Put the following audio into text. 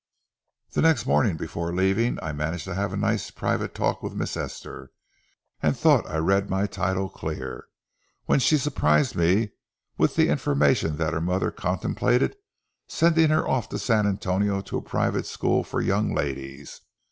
The next morning before leaving, I managed to have a nice private talk with Miss Esther, and thought I read my title clear, when she surprised me with the information that her mother contemplated sending her off to San Antonio to a private school for young ladies.